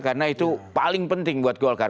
karena itu paling penting buat golkar